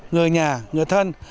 người nhà người thân